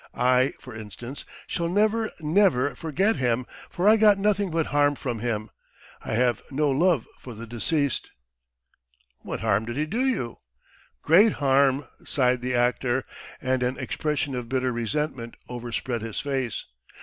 I, for instance, shall never, never forget him, for I got nothing but harm from him. I have no love for the deceased." "What harm did he do you?" "Great harm," sighed the actor, and an expression of bitter resentment overspread his face.